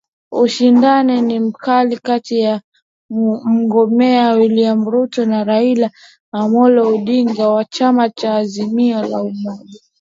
ushindani ni mkali kati ya mgombea William Ruto na Raila Amollo Odinga wa chama cha Azimio la Umoja